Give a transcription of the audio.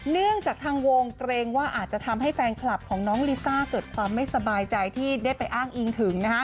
เนื่องจากทางวงเกรงว่าอาจจะทำให้แฟนคลับของน้องลิซ่าเกิดความไม่สบายใจที่ได้ไปอ้างอิงถึง